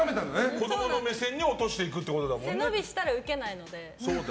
子供の目線に落としていくってことだもんね。